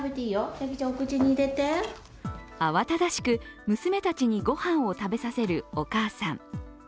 慌ただしく娘たちに御飯を食べさせるお母さん。